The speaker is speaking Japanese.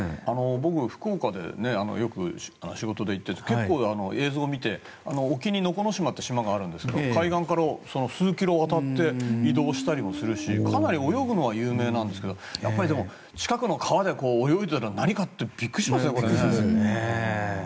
僕、福岡によく仕事で行って映像で見て島があるんだけど海岸から数キロ渡って移動したりもするしかなり泳ぐのは有名なんですがでも、近くの川で泳いでいたら何かってびっくりしますね。